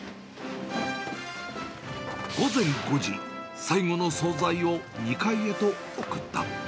午前５時、最後の総菜を２階へと送った。